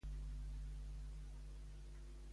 Qui ha parlat bé de Ciutadans?